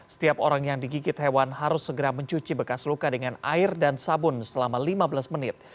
setiap orang yang digigit hewan harus segera mencuci bekas luka dengan air dan sabun selama lima belas menit